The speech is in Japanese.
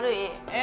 え？